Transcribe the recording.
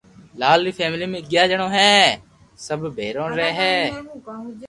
لال ري فيملي مي اگياري جڻو ھي سب بآيرو رھيو ھون